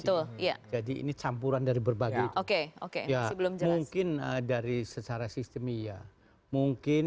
kecil jadi ini campuran dari berbagai oke oke ya mungkin dari secara sistem iya mungkin